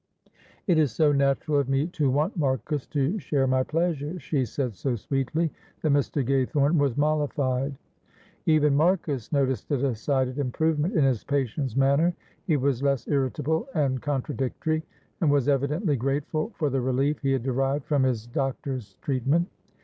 "It is so natural of me to want Marcus to share my pleasure," she said so sweetly that Mr. Gaythorne was mollified. Even Marcus noticed a decided improvement in his patient's manner. He was less irritable and contradictory, and was evidently grateful for the relief he had derived from his doctor's treatment.